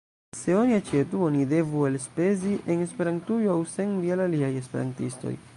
Se oni aĉetu, oni devu elspezi en Esperantujo aŭ sendi al aliaj esperantistoj.